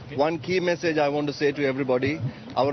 satu pesan utama yang ingin saya katakan kepada semua orang